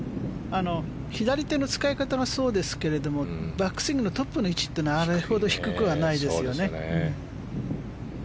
左手の使い方もそうですけれどバックスイングのトップの位置はあれほど低くはないですよね。